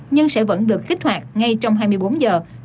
nhưng sẽ vẫn được kích hoạt ngay trong cộng đồng